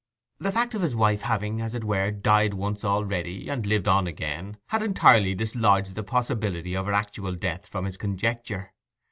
The fact of his wife having, as it were, died once already, and lived on again, had entirely dislodged the possibility of her actual death from his conjecture.